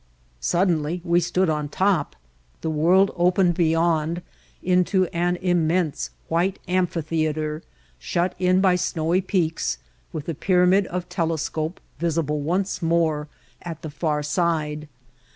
Suddenly we stood on top. The world opened beyond into an immense white amphi theater shut in by snowy peaks with the pyramid of Telescope, visible once more, at the far side.